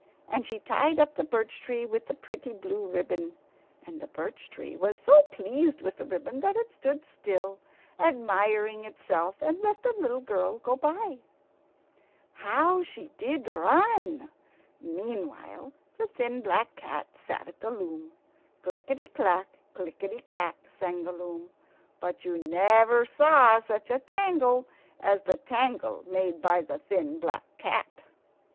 And she tied up the birch tree with the pretty blue ribbon. And the birch tree was so pleased with the ribbon that it stood still, admiring itself, and let the little girl go by. How she did run! Meanwhile the thin black cat sat at the loom. Clickety clack, clickety clack, sang the loom; but you never saw such a tangle as the tangle made by the thin black cat.